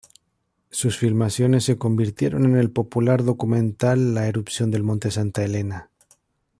Sus filmaciones se convirtieron en el popular documental "La erupción del monte Santa Helena".